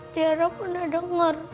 tiara pernah denger